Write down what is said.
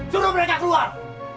suruh mereka keluar